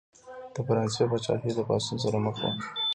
د فرانسې پاچاهي د پاڅون سره مخ وه.